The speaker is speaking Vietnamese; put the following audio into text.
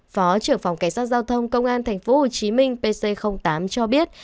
phó trưởng phòng cảnh sát giao thông công an tp hcm pc tám cho biết